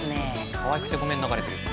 「可愛くてごめん」流れてる。